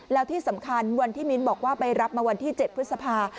แล้วที่สำคัญวันที่มิ้นบอกว่าไปรับมาวันที่๗พฤษภา